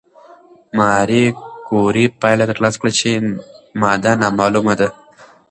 ماري کوري پایله ترلاسه کړه چې ماده نامعلومه ده.